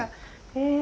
へえ。